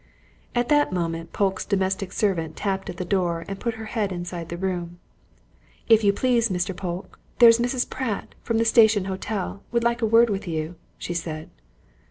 At that moment Polke's domestic servant tapped at the door and put her head inside the room. "If you please, Mr. Polke, there's Mrs. Pratt, from the Station Hotel, would like a word with you," she said.